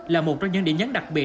là một trong những địa nhấn đặc biệt